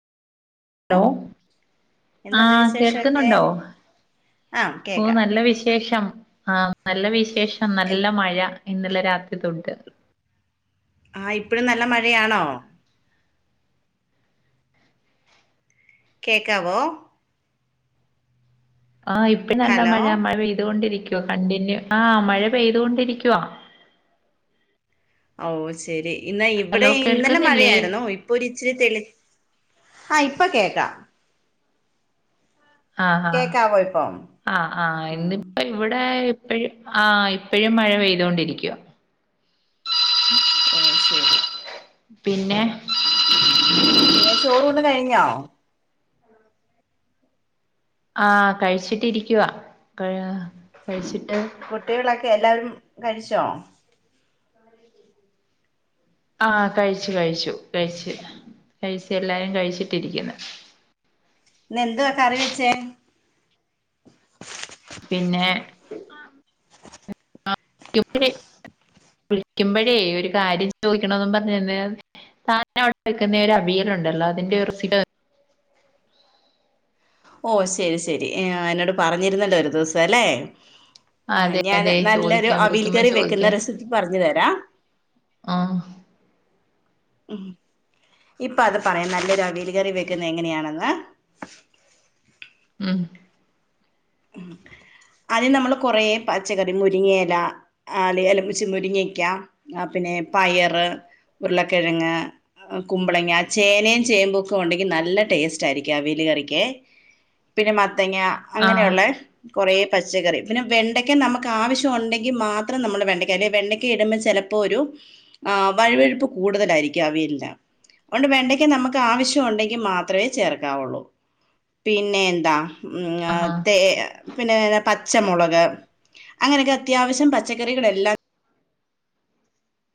ഓ law എന്തുണ്ട് ആഹ് വിശേഷൊക്കെ കേൾക്കുന്നുണ്ടോ ആ ഓ കേക്കാം നല്ല വിശേഷം ആ നല്ല വിശേഷം എ- നല്ല മഴ ഇന്നലെ രാത്രി തൊട്ട് ആഹ് ഇപ്പോഴും നല്ല മഴയാണോ കേൾക്കാവോ ആഹ് ഇപ്പ നല്ല ഹലോ മഴ മഴ പെയ്തുകൊണ്ടിരിക്കുവ കണ്ടിന്യൂ ആഹ് മഴ പെയ്തുകൊണ്ടിരിക്കുവാ ഓഹ് ശെരി ഇന്ന ഇവിടെ ഹലോ ഇന്നലെ കേൾക്കുന്നില്ലേ മഴയായിരുന്നു ഇ ഒരിച്ചിരി തെളി ആഹ് ഇപ്പ കേക്കാ ആഹ് ആഹ് കേക്കാവോ ഇപ്പം ആഹ് ആഹ് ഉം എന്നിപ്പോ ഇവിടെ ഇപ്പഴും ആഹ് ഇപ്പഴും മഴ പെയ്തൊണ്ടിരിക്ക ഓഹ് ശെരി പിന്നെ പിന്നെ ചോറ് ഊണ് കഴിഞ്ഞോ ആഹ് കഴിച്ചിട്ടിരിക്കവാ കഴ് കഴിച്ചിട്ട് കുട്ടികളൊക്കെ എല്ലാവരും കഴിച്ചോ ആഹ് കഴിച്ചു കഴിച്ചു കഴിച്ചു കഴിച്ച് എല്ലാരും കഴിച്ചിട്ടിരിക്കുന്നു എന്തുവാ കറി വെച്ചേ പിന്നെ വിളികുമ്പഴെ വിളിക്കുമ്പഴേയ് ഒരു കാര്യം ചോദിക്കണോന്ന് പറഞ്ഞിരുന്ന താന അവിടെ വെക്കുന്ന ഒരു അവിയലുണ്ടല്ലോ അതിന്റെ റെസി ഓഹ് ശരി ശരി എന്നോട് പറഞ്ഞിരുന്നല്ലോ ഒരു ദിവസം അലെ ആഹ് അതെ ഞാൻ അതെ നല്ലൊരു ചോദിക്കാം അവിയൽ വിളിക്കുമ്പോ കറി വെക്കുന്ന ചോദിക്കാം റെസിപ്പി പറഞ്ഞു തരാം ആഹ് ഇപ്പ അത് പറയാം നല്ലൊരു അവിയല് കറി വെക്കുന്നത് എങ്ങനെയാണെന്ന് ഉം അദ്യം നമ്മള് കൊറ പച്ചക്കറി മുരിങ്ങയെല ആഹ് അല്ല അലമച്ചി മുരിങ്ങിക്ക പിന്നെ പയർ ഉരുളക്കിഴങ്ങ് കുമ്പളങ്ങ ചേനേം ചേമ്പൊക്കെ ഉണ്ടെങ്കി നല്ല ടേസ്റ്റ് ആയിരിക്കും അവിയല് കറിക്കെ പിന്നെ മത്തങ്ങ ആ അങ്ങനെയുള്ളെ കുറേ പച്ചക്കറി പിന്നെ വെണ്ടയ്ക്ക നമുക്ക് ആവശ്യം ഉണ്ടെങ്കിൽ മാത്രം നമ്മൾ വെണ്ടയ് അല്ലെ വെണ്ടയ്ക്ക ഇടുമ്പോൾ ചിലപ്പോ ഇപ്പോരു ആഹ് വഴുവെഴുപ്പ് കൂടുതലായിരിക്കും അവിയല്ന് അഓണ്ട് വെണ്ടക്ക നമുക്ക് ആവശ്യം ഉണ്ടെങ്കിൽ മാത്രമേ ചേർക്കാവുള്ളൂ പിന്നെ എന്താ ഉം ആഹ് ആഹാ പിന്ന പച്ചമുളക് അങ്ങനൊക്കെ അത്യാവശ്യം പച്ചക്കറികളെല്ലാം